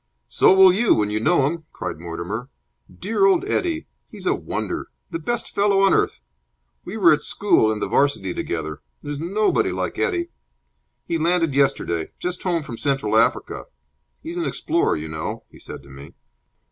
"So will you, when you know him," cried Mortimer. "Dear old Eddie! He's a wonder! The best fellow on earth! We were at school and the 'Varsity together. There's nobody like Eddie! He landed yesterday. Just home from Central Africa. He's an explorer, you know," he said to me.